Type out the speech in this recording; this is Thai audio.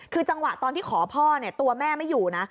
คือจังหวะตอนที่ขอพ่อเนี่ยตัวแม่ไม่อยู่นะ